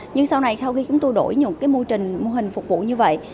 nhưng sau này sau khi chúng tôi đổi những cái mô trình mô hình phục vụ như vậy